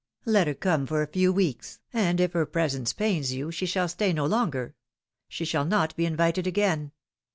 Let her come for a few weeks, and if her presence pains you she shall stay no longer. She shall not be invited again.